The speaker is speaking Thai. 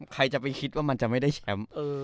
ใครจะไปคิดว่ามันจะไม่ได้แชมป์